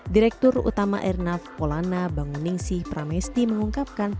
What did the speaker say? direktur utama airnav polana banguningsih pramesti mengungkapkan